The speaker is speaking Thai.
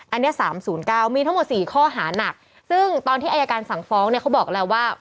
อันนี้๓๐๙มีทั้งหมด๔ข้อหานักซึ่งตอนที่อายการสั่งฟ้องเนี่ยเขาบอกแล้วว่า